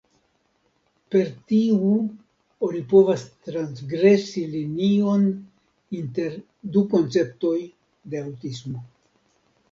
Per tiu oni povas transgresi linion inter du konceptoj de aŭtismo.